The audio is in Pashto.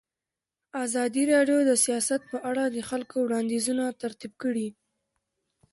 ازادي راډیو د سیاست په اړه د خلکو وړاندیزونه ترتیب کړي.